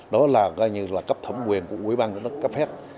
đó là gai như là cấp thẩm quyền của quỹ băng cấp phép